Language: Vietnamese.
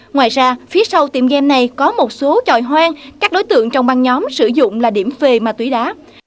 ngoài ra phía sau tiệm game này có một số tròi hoang các đối tượng trong băng nhóm sử dụng là điểm phê ma túy đá